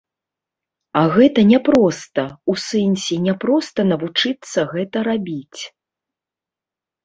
А гэта няпроста, у сэнсе няпроста навучыцца гэта рабіць.